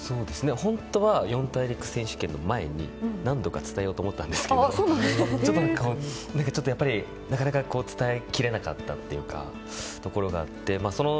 本当は四大陸選手権の前に何度か伝えようと思ったんですがちょっとやっぱりなかなか伝えきれなかったところがあって。